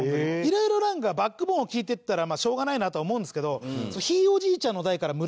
色々バックボーンを聞いていったらしょうがないなとは思うんですけど。